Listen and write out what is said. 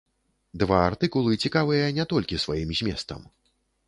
Два артыкулы цікавыя не толькі сваім зместам.